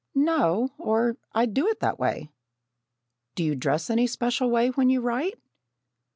"No, or I'd do it that way." "Do you dress any special way when you write?"